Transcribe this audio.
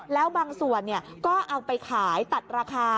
แล้วบางส่วนก็เอาไปขายตัดราคา